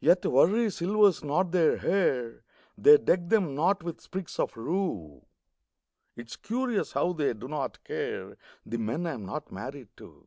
Yet worry silvers not their hair; They deck them not with sprigs of rue. It's curious how they do not care The men I am not married to.